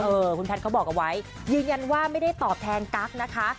คุณแพทย์เขาบอกเอาไว้ยืนยันว่าไม่ได้ตอบแทนกั๊กนะคะ